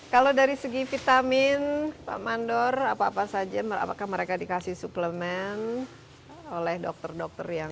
kalau dari segi vitamin pak mandor apa apa saja apakah mereka dikasih suplemen oleh dokter dokter yang